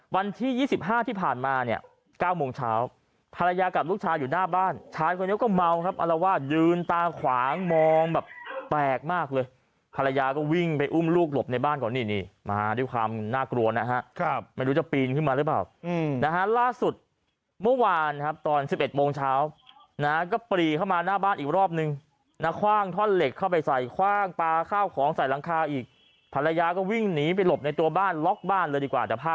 วันที่ยี่สิบห้าที่ผ่านมาเนี้ยเก้าโมงเช้าภรรยากับลูกชายอยู่หน้าบ้านชายคนเดียวก็เมาครับอัลว่ายืนตาขวางมองแบบแปลกมากเลยภรรยาก็วิ่งไปอุ้มลูกหลบในบ้านก่อนนี่นี่มาด้วยความน่ากลัวนะฮะครับไม่รู้จะปีนขึ้นมาหรือเปล่าอืมนะฮะล่าสุดเมื่อวานครับตอนสิบเอ็ดโมงเช้านะฮะก็ปลีเข้ามาหน้า